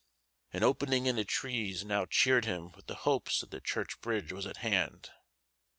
An opening in the trees now cheered him with the hopes that the church bridge was at hand.